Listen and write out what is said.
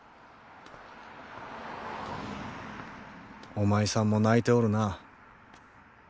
おまいさんも泣いておるな。